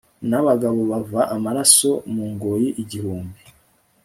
Nabagabo bava amaraso mu ngoyi igihumbi